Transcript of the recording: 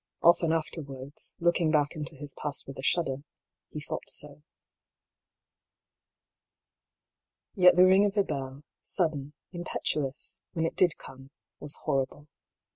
Often afterwards, looking back into his past with a shudder, he thought so. Yet the ring^of the bell, sudden, impetuous, when it did come, was horrible.